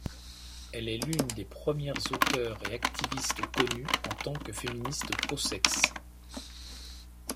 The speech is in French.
Elle est l'une des premiers auteurs et activistes connus en tant que féministes pro-sexe.